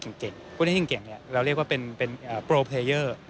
จะกลายเป็นศูนย์กลางในย่านภูมิภาคอาเซียน